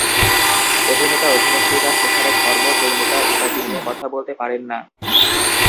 অভিনেতা-অভিনেত্রীরা সেখানে ধর্ম, যৌনতা ইত্যাদি নিয়ে কথা বলত পারেন না।